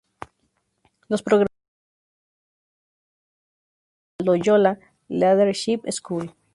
Los programas de Máster propios son ofrecidos por la Loyola Leadership School.